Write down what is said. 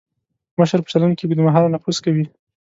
مشر په چلند کې اوږد مهاله نفوذ کوي.